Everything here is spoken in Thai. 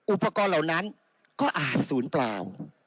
อุปกรณ์เหล่านั้นก็อาจศูนย์เปล่า